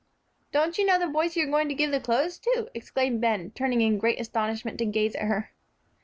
"Don't you know the boys you are going to give the clothes to?" exclaimed Ben, turning in great astonishment to gaze at her.